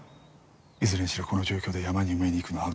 いずれにしろこの状況で山に埋めに行くのはアウトだ。